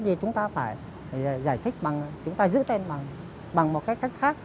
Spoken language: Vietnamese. vì vậy thì chúng ta phải giải thích chúng ta giữ tên bằng một cách khác